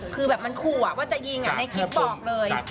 คือแบบมันขู่ว่าจะยิงในคลิปบอกเลย